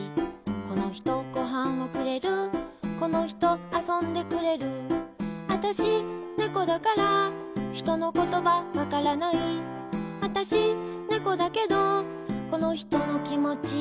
この人、ご飯をくれるこの人、遊んでくれるあたし、ねこだから人のことばわからないあたし、ねこだけどこの人のきもち